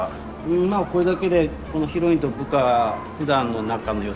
まあこれだけでこのヒロインと部下ふだんの仲のよさ